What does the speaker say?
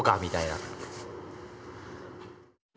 みたいな。